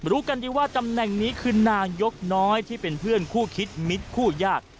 รู้กันดีว่าตำแหน่งนี้คือนายกน้อยที่เป็นเพื่อนคู่คิดมิตรคู่ยาก